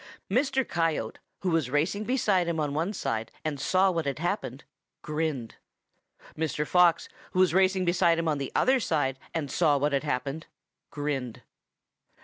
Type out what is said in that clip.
"Mr. Coyote, who was racing beside him on one side and saw what had happened, grinned. Mr. Fox, who was racing beside him on the other side and saw what had happened, grinned.